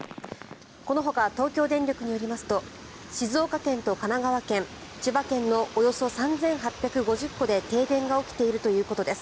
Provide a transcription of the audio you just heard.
このほか東京電力によりますと静岡県と神奈川県、千葉県のおよそ３８５０戸で停電が起きているということです。